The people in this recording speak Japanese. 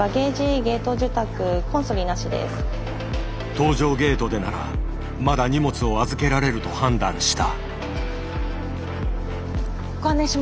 搭乗ゲートでならまだ荷物を預けられると判断した。